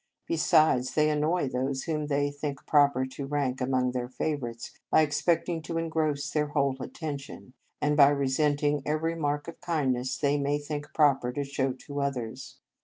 Be sides, they annoy those whom they think proper to rank among their favourites by expecting to engross their whole attention, and by resent ing every mark of kindness they may think proper to show to others.